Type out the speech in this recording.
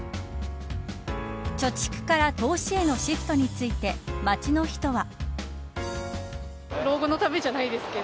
貯蓄から投資へのシフトについて街の人は。